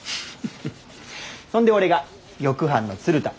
そんで俺が翼班の鶴田。